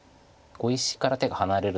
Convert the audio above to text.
碁石から手が離れる。